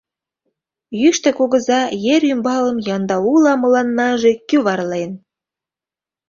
Йӱштӧ Кугыза ер ӱмбалым яндаула мыланнаже кӱварлен.